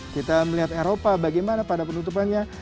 kita melihat eropa bagaimana pada penutupannya